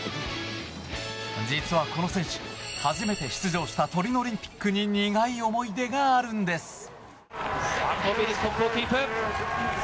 実はこの選手、初めて出場したトリノオリンピックに苦い思い出があるんです。